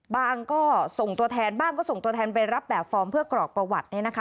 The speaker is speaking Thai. ก็ส่งตัวแทนบ้างก็ส่งตัวแทนไปรับแบบฟอร์มเพื่อกรอกประวัติ